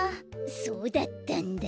そうだったんだ。